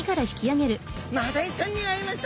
マダイちゃんに会えました！